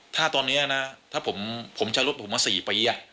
ถ้าตอนนี้นะถ้าผมจะลดผมมา๔ปี